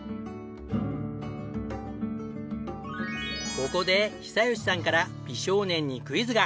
ここで久喜さんから美少年にクイズが。